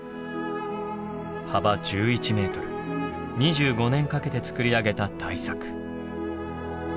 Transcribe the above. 幅１１メートル２５年かけて作り上げた大作。